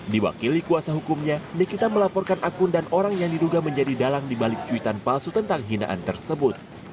diwakili kuasa hukumnya nikita melaporkan akun dan orang yang diduga menjadi dalang dibalik cuitan palsu tentang hinaan tersebut